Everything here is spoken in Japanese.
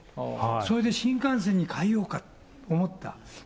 それで新幹線に変えようかって思ったんです。